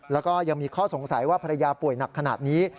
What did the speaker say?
แล้วก็ยังมีข้อสงสัยว่าภรรยาป่วยหนักขนาดนี้